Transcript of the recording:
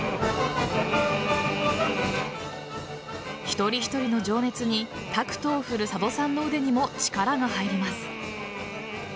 一人一人の情熱にタクトを振る佐渡さんの腕にも力が入ります。